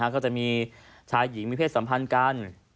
ก็จะมีชายหญิงมีเพศสัมพันธ์กัน